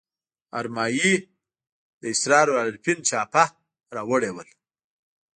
ارمایي د اسرار العارفین چاپه راوړي ول.